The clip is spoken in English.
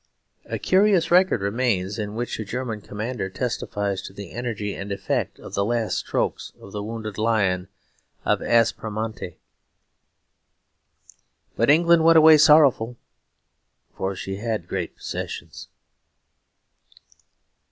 A curious record remains, in which a German commander testifies to the energy and effect of the last strokes of the wounded lion of Aspromonte. But England went away sorrowful, for she had great possessions.